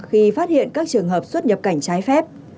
khi phát hiện các trường hợp xuất nhập cảnh trái phép